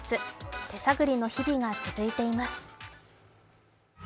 手探りの日々が続いています。